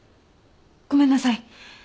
ごめんなさい。